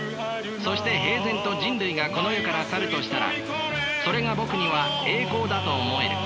そして平然と人類がこの世から去るとしたらそれがぼくには栄光だと思える。